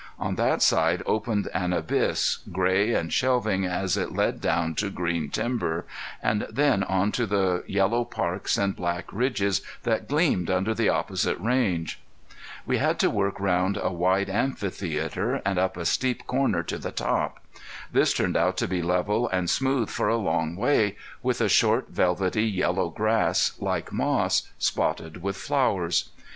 On that side opened an abyss, gray and shelving as it led down to green timber, and then on to the yellow parks and black ridges that gleamed under the opposite range. We had to work round a wide amphitheater, and up a steep corner to the top. This turned out to be level and smooth for a long way, with a short, velvety yellow grass, like moss, spotted with flowers.